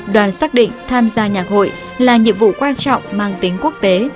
đoàn xác định tham gia nhạc hội là nhiệm vụ quan trọng mang tính quốc tế